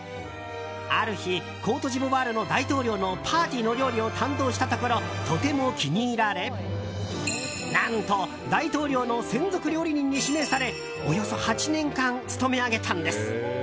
ある日コートジボワールの大統領のパーティーの料理を担当したところとても気に入られ何と大統領の専属料理人に指名されおよそ８年間務め上げたんです。